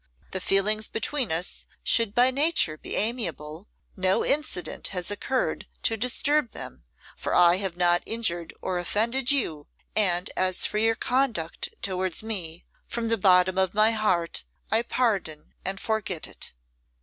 The feelings between us should by nature be amiable: no incident has occurred to disturb them, for I have not injured or offended you; and as for your conduct towards me, from the bottom of my heart I pardon and forget it.